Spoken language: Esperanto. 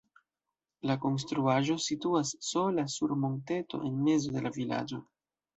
La konstruaĵo situas sola sur monteto en mezo de la vilaĝo.